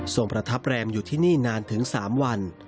ประทับแรมอยู่ที่นี่นานถึง๓วัน